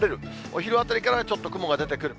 お昼あたりからちょっと雲が出てくる。